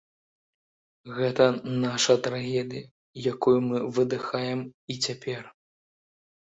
Гэта наша трагедыя, якую мы выдыхаем і цяпер.